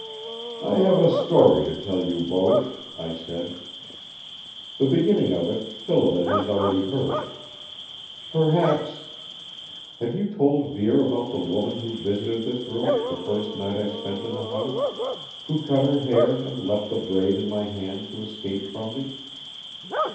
"I have a story to tell you both," I said. "The beginning of it Phillida has already heard. Perhaps Have you told Vere about the woman who visited this room, the first night I spent in the house? Who cut her hair and left the braid in my hand to escape from me?"